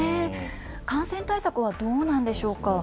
感染対策はどうなんでしょうか。